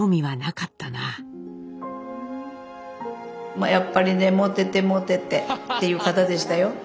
まあやっぱりねモテてモテてっていう方でしたよ。